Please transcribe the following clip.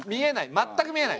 全く見えない。